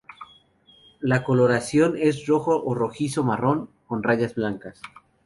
La coloración es rojo o rojizo-marrón con rayas blancas.